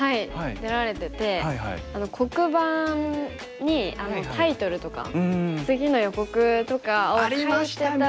出られてて黒板にタイトルとか次の予告とかを書いてたのが。